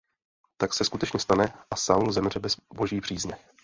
Tak se skutečně stane a Saul zemře bez Boží přízně.